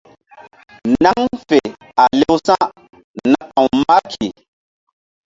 Naŋ fe a lewsa̧ na ta̧w Marki.